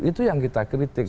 itu yang kita kritik